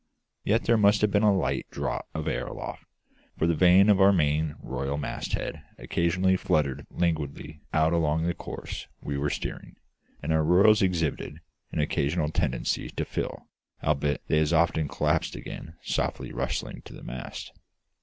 Yet there must have been a light draught of air aloft, for the vane at our main royal masthead occasionally fluttered languidly out along the course we were steering, and our royals exhibited an occasional tendency to fill, albeit they as often collapsed again softly rustling to the masts.